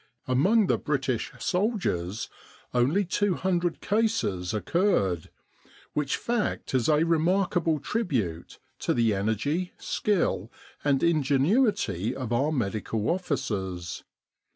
Among the British soldiers only 200 cases occurred, which fact is a remarkable tribute to the energy, skill and ingenuity of our medical officers.